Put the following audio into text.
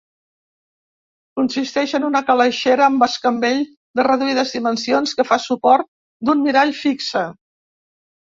Consisteix en una calaixera amb escambell de reduïdes dimensions que fa suport d'un mirall fixe.